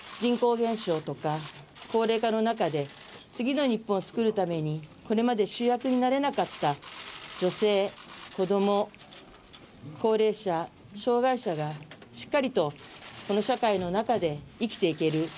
高齢化の中で次の日本をつくるためにこれまで主役になれなかった女性、子供、高齢者、障害者がしっかりと、この社会の中で生きていける。